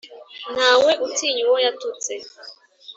Ntawe utinya uwo yatutse.